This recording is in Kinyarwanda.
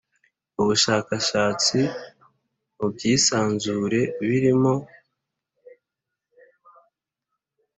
ubushakashatsi mu by’isanzure birimo